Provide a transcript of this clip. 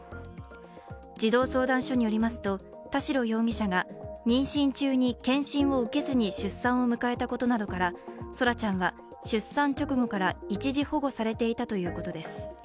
児童相談所によりますと、田代容疑者が妊娠中に健診を受けずに出産を迎えたことなどから空来ちゃんは出産直後から一時保護されていたということです。